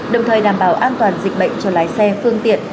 đồng thời đảm bảo an toàn dịch bệnh cho lái xe phương tiện